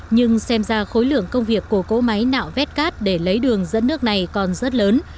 nhưng xem ra khối lượng công việc của cỗ máy nạo vét cát để lấy đường dẫn nước này còn rất lớn